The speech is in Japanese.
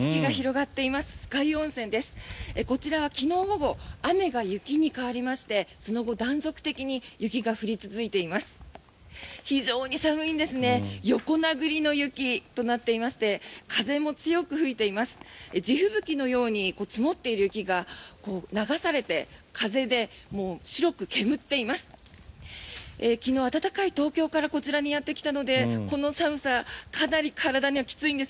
地吹雪のように積もっている雪が流されて風で白く煙っています。